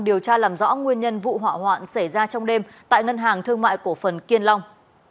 điều tra làm rõ nguyên nhân vụ hỏa hoạn xảy ra trong đêm tại ngân hàng thương mại cổ phần kiên long